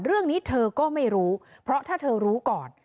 เรื่องนี้เธอก็ไม่รู้เพราะถ้าเธอรู้ก่อน